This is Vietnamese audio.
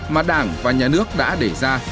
mà đảng và nhà nước đã để ra